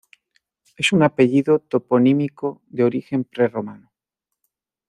Es un apellido toponímico de origen prerromano.